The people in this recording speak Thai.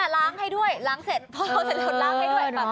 ล้างให้ด้วยล้างเสร็จพ่อเอาเสร็จล้างให้ด้วย